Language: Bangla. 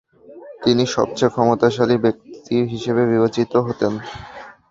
তিনি সবচেয়ে ক্ষমতাশালী ব্যক্তি হিসেবে বিবেচিত হতেন।